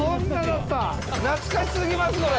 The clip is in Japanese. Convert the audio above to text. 懐かしすぎます、これ。